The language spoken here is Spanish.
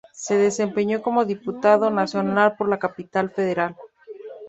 Se desempeñó como Diputado Nacional por la Capital Federal.